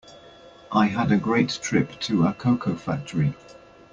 I had a great trip to a cocoa factory.